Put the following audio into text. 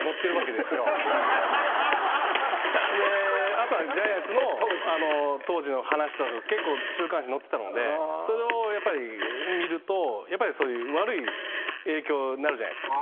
あとはジャイアンツの当時の話とか結構週刊誌載ってたのでそれをやっぱり見ると悪い影響になるじゃないですか。